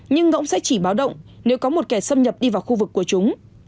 nhưng ngỗng sẽ chỉ báo động nếu có một kẻ xâm nhập đi vào khu vực của chúng